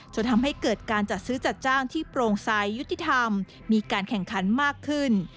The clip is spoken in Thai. จะทำให้เกิดการจัดซื้อจัดจ้างที่โปร่งสายยุติธรรมมีการแข่งขันมากขึ้น